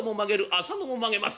浅野も曲げます。